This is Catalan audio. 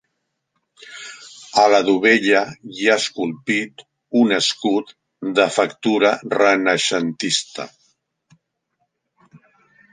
A la dovella hi ha esculpit un escut de factura renaixentista.